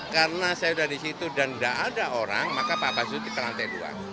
karena saya sudah di situ dan tidak ada orang maka pak basuki ke lantai dua